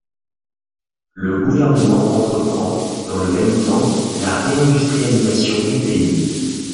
Le Gouvernement entreprend, dans le même temps, la réindustrialisation du pays.